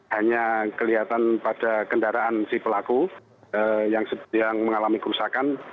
hanya kelihatan pada kendaraan si pelaku yang mengalami kerusakan